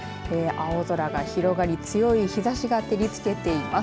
青空が広がり強い日ざしが照りつけています。